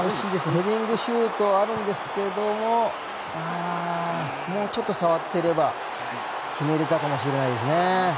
ヘディングシュートあるんですがもうちょっと触っていれば決めれたかもしれないですね。